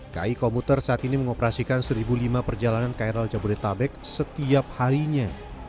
ki komuter saat ini mengoperasikan seribu lima perjalanan keral jabodetabek setiap harinya